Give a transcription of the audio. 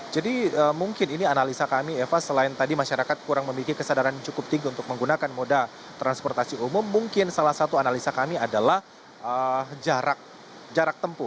jadi mungkin ini analisa kami eva selain tadi masyarakat kurang memiliki kesadaran cukup tinggi untuk menggunakan moda transportasi umum mungkin salah satu analisa kami adalah jarak tempuh